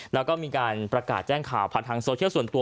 แล้วก็มีการประกาศแจ้งข่าวผ่านทางโซเชียลส่วนตัว